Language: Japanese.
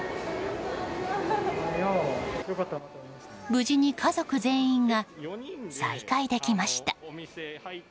無事に家族全員が再会できました。